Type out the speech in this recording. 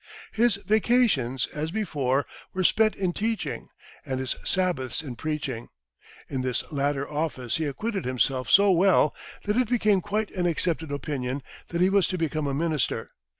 His vacations, as before, were spent in teaching, and his Sabbaths in preaching. In this latter office he acquitted himself so well, that it became quite an accepted opinion that he was to become a minister.